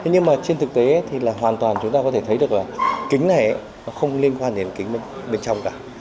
nhưng mà trên thực tế thì là hoàn toàn chúng ta có thể thấy được là kính này nó không liên quan đến kính bên trong cả